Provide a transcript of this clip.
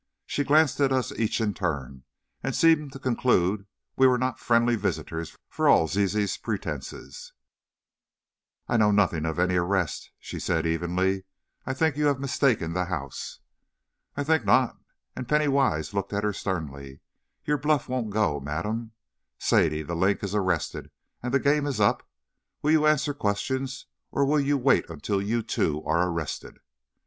She glanced at us each in turn, and seemed to conclude we were not friendly visitors for all Zizi's pretense. "I know nothing of any arrest," she said, evenly; "I think you have mistaken the house." "I think not," and Penny Wise looked at her sternly. "Your bluff won't go, madam, Sadie, 'The Link,' is arrested, and the game is up. Will you answer questions or will you wait until you, too, are arrested?"